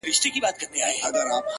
په ښکارپورۍ سترگو کي- راته گلاب راکه-